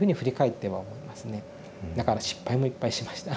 だから失敗もいっぱいしました。